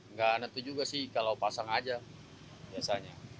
nggak nentu juga sih kalau pasang aja biasanya